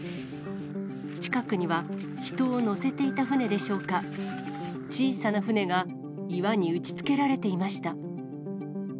近くには人を乗せていた船でしょうか、小さな船が、岩に打ちつけられていました。